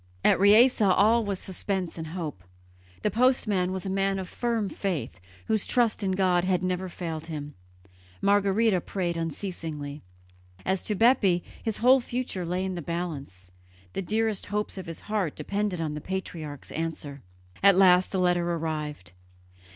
At Riese all was suspense and hope. The postman was a man of firm faith, whose trust in God had never failed him; Margherita prayed unceasingly. As to Bepi his whole future lay in the balance; the dearest hopes of his heart depended on the patriarch's answer. At last the letter arrived.